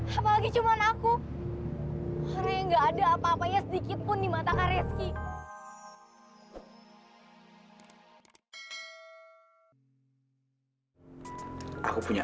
sampai jumpa di video selanjutnya